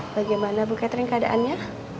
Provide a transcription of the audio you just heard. bagaimana bu catherine keadaannya